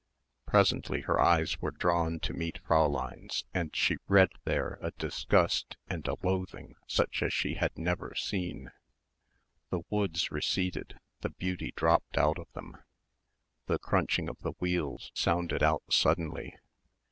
Presently her eyes were drawn to meet Fräulein's and she read there a disgust and a loathing such as she had never seen. The woods receded, the beauty dropped out of them. The crunching of the wheels sounded out suddenly.